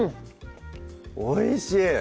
おいしい！